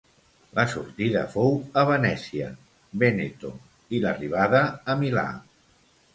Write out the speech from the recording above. La sortida fou a Venècia, Vèneto, i l'arribada a Milà.